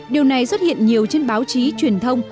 điều này xuất hiện nhiều trên báo chí truyền thông